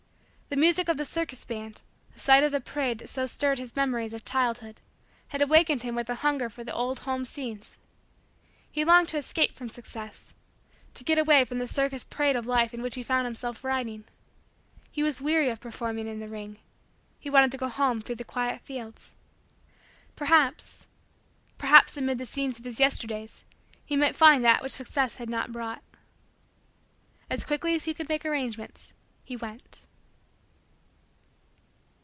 The music of the circus band, the sight of the parade that so stirred his memories of childhood, had awakened within him a hunger for the old home scenes. He longed to escape from Success to get away from the circus parade of Life in which he found himself riding. He was weary of performing in the ring. He wanted to go home through the quiet fields. Perhaps perhaps amid the scenes of his Yesterdays, he might find that which Success had not brought. As quickly as he could make arrangements, he went.